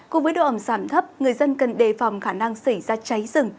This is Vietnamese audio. cùng với độ ẩm giảm thấp người dân cần đề phòng khả năng xảy ra cháy rừng